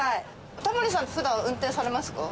タモリさんって普段運転されますか？